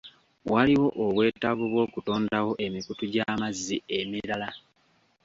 Waliwo obwetaavu bw'okutondawo emikutu gy'amazzi emirala.